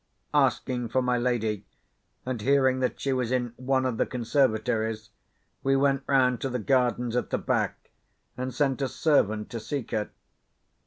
Asking for my lady, and hearing that she was in one of the conservatories, we went round to the gardens at the back, and sent a servant to seek her.